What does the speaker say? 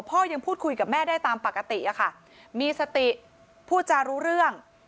ยังพูดคุยกับแม่ได้ตามปกติอะค่ะมีสติพูดจารู้เรื่อง